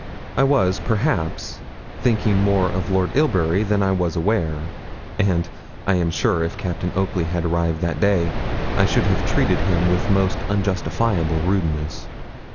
I was, perhaps, thinking more of Lord Ilbury than I was aware; and I am sure if Captain Oakley had arrived that day, I should have treated him with most unjustifiable rudeness.